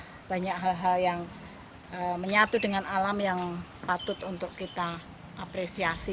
karena banyak hal hal yang menyatu dengan alam yang patut untuk kita apresiasi